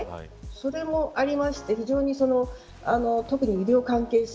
それもありまして特に医療関係者